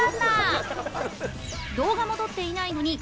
動画も撮っていないのに